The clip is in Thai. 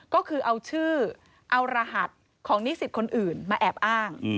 ก็คือเอาชื่อเอารหัสของนิสิตคนอื่นมาแอบอ้าง